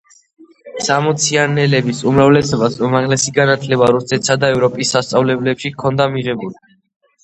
სამოციანელების უმრავლესობას უმაღლესი განათლება რუსეთსა და ევროპის სასწავლებლებში ჰქონდა მიღებული.